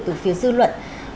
từ phía dư luận